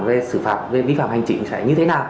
về sử phạm vi phạm hành trị sẽ như thế nào